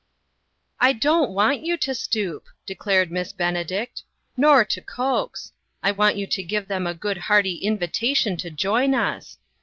"I don't want 3'ou to stoop," declared Miss Benedict, " nor to coax. I want you to give them a good hearty invitation to join us.